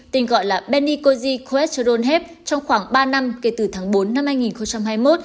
tên gọi là benicoji coestrol hep trong khoảng ba năm kể từ tháng bốn năm hai nghìn hai mươi một